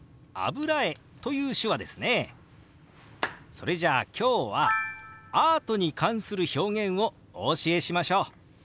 それじゃあ今日はアートに関する表現をお教えしましょう！